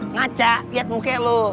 ngaca liat muka lu